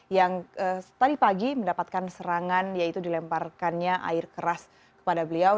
yang tadi pagi mendapatkan serangan yaitu dilemparkannya air keras kepada beliau